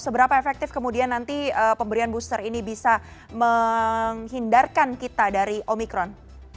seberapa efektif kemudian nanti pemberian booster ini bisa menghindarkan kita dari omikron